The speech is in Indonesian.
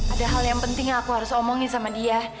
ada hal yang penting yang aku harus omongin sama dia